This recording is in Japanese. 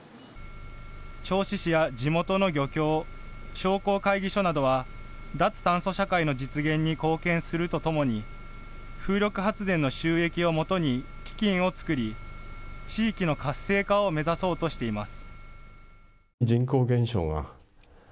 銚子市や地元の漁協、商工会議所などは脱炭素社会の実現に貢献するとともに風力発電の収益をもとに基金を作り、地域の活性化を目指そうとしています。